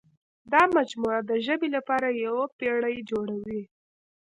دا مجموعه د ژبې لپاره یوه پېړۍ جوړوي.